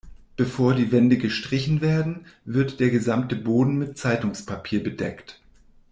Bevor die Wände gestrichen werden, wird der gesamte Boden mit Zeitungspapier bedeckt.